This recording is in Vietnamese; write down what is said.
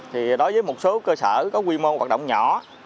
thì đối với một số cơ sở có quy mô hoạt động nhỏ